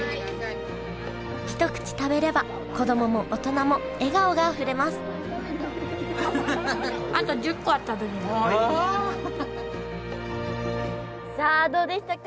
一口食べれば子供も大人も笑顔があふれますさあどうでしたか？